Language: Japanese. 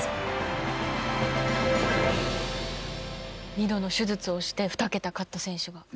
２度の手術をして２桁勝った選手が。